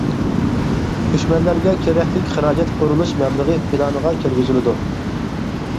كۆچمەنلەرگە كېرەكلىك خىراجەت قۇرۇلۇش مەبلىغى پىلانىغا كىرگۈزۈلىدۇ.